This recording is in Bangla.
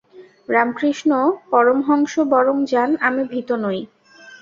রামকৃষ্ণ পরমহংস বরং যান, আমি ভীত নই।